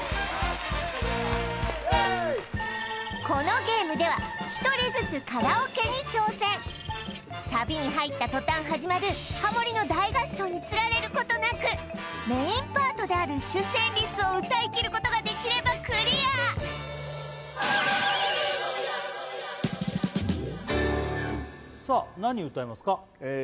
このゲームではサビに入ったとたん始まるハモリの大合唱につられることなくメインパートである主旋律を歌いきることができればクリアさあ何歌いますか？